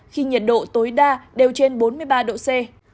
khi nhiệt độ tối đa đều trên bốn mươi ba độ c